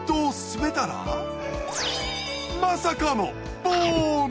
まさかのボーノ！